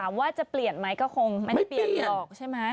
ว่าจะเปลี่ยนไหมก็คงไม่ได้เปลี่ยนหรอกใช่ไหม